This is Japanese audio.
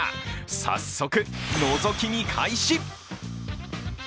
早速、のぞき見開始。